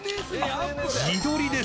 ［自撮りです！